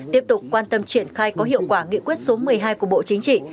tiếp tục quan tâm triển khai có hiệu quả nghị quyết số một mươi hai của bộ chính trị